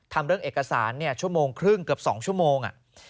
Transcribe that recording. ทำเรื่องเอกสารชั่วโมงครึ่งเกือบ๒ชั่วโมง